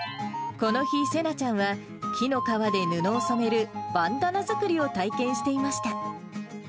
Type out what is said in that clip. この日、せなちゃんは木の皮で布を染める、バンダナ作りを体験していました。